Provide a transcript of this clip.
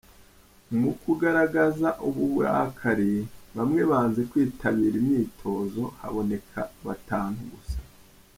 Mu kugaragaza uburakari, bamwe banze kwitabira imyitozo haboneka batanu gusa.